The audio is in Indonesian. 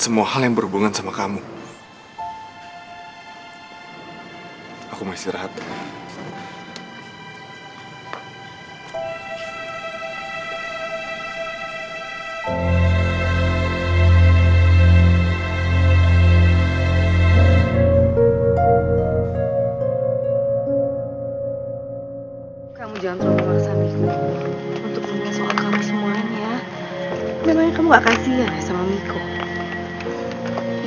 kamu jangan terlalu merasa miku cuando agak kelas kamu semua ini ya